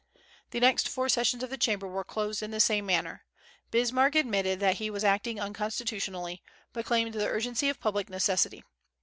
The next four sessions of the Chamber were closed in the same manner. Bismarck admitted that he was acting unconstitutionally, but claimed the urgency of public necessity.